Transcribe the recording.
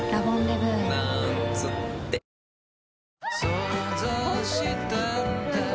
想像したんだ